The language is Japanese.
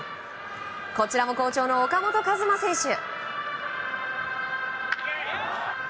こちらも好調の岡本和真選手。